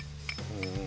うん。